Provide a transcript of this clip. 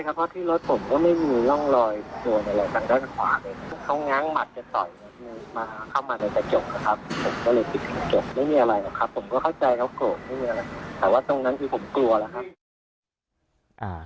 แต่ว่าตรงนั้นคือผมกลัวละครับ